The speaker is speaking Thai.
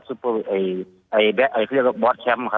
เขาเรียกว่าบอสแชมป์ครับ